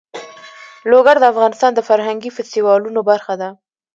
لوگر د افغانستان د فرهنګي فستیوالونو برخه ده.